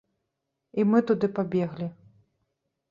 І мы туды пабеглі.